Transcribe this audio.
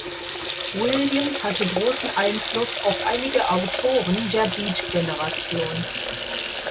Williams hatte großen Einfluss auf einige Autoren der Beat Generation.